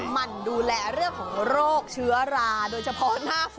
มันดูแลเรื่องของโรคเชื้อราโดยเฉพาะหน้าฝน